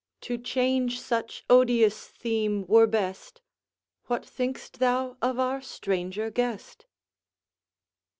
To change such odious theme were best, What think'st thou of our stranger guest?